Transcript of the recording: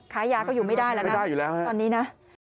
ค้ายาก็อยู่ไม่ได้แล้วนะไม่ได้อยู่แล้วฮะตอนนี้นะ